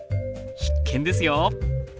必見ですよ！